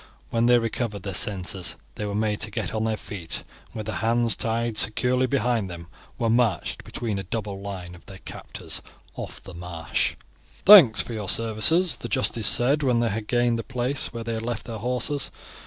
When they recovered their senses they were made to get on their feet, and with their hands tied securely behind them were marched between a double line of their captors off the marsh. "Thanks for your services," the justice said when they had gained the place where they had left their horses.